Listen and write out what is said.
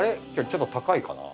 ちょっと高いかな。